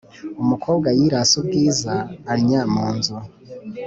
Umukobwa yirase ubwiza annya munzu